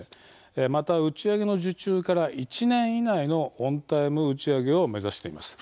また、打ち上げの受注から１年以内のオンタイム打ち上げを目指しています。